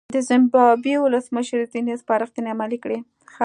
د زیمبابوې ولسمشر ځینې سپارښتنې عملي کړې.